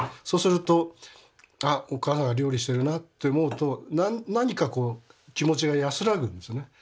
そうすると「あっお母さんが料理してるな」って思うと何か気持ちが安らぐんですよね。